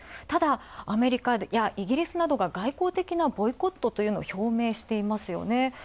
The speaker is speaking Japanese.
ただ、アメリカやイギリスなどが外交ボイコットを表明していますよね。